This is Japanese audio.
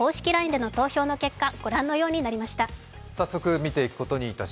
ＬＩＮＥでの投票の結果御覧のようになりました。